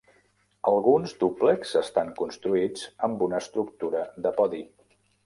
Alguns dúplexs estan construïts amb una estructura de podi.